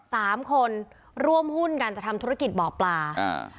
สามคนร่วมหุ้นกันจะทำธุรกิจบ่อปลาอ่า